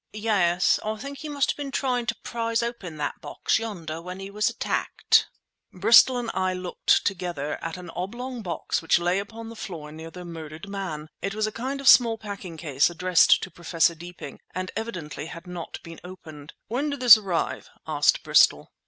"Yes. I think he must have been trying to prise open that box yonder when he was attacked." Bristol and I looked, together, at an oblong box which lay upon the floor near the murdered man. It was a kind of small packing case, addressed to Professor Deeping, and evidently had not been opened. "When did this arrive?" asked Bristol.